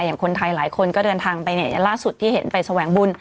อย่างคนไทยหลายคนก็เดินทางไปเนี่ยอย่างล่าสุดที่เห็นไปแสวงบุญ